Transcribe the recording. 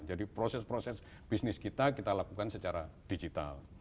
jadi proses proses bisnis kita kita lakukan secara digital